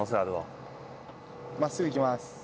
真っすぐいきます。